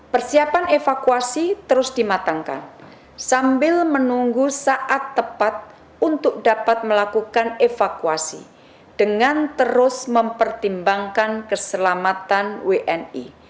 persiapan evakuasi terus dimatangkan sambil menunggu saat tepat untuk dapat melakukan evakuasi dengan terus mempertimbangkan keselamatan wni